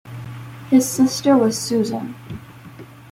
His sister was Susan.